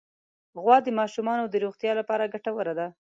غوا د ماشومانو د روغتیا لپاره ګټوره ده.